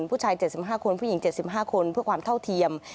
ผู้ชาย๗๕คนผู้หญิง๗๕คนเพื่อความเท่าเทียม